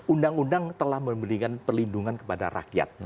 undang undang telah memberikan perlindungan kepada rakyat